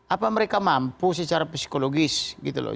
apa mereka mampu secara psikologis gitu loh